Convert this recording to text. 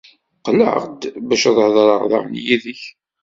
Qqleɣ-d bac ad heḍṛeɣ daɣen yid-k.